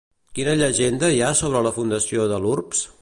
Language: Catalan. Quina llegenda hi ha sobre la fundació de l'urbs?